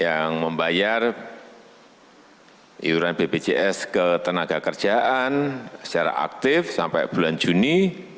yang membayar iuran bpjs ketenaga kerjaan secara aktif sampai bulan juni